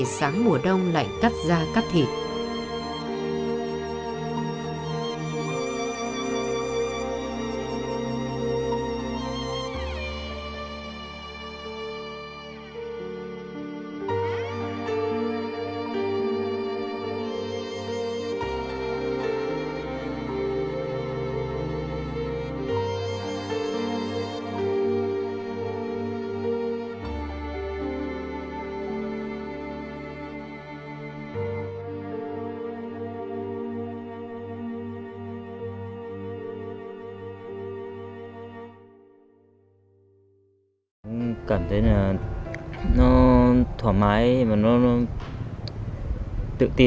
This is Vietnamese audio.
sáng mùa đông lạnh cắt da cắt thịt